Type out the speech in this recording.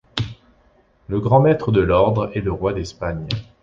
Le grand maître de l'ordre est le roi d'Espagne.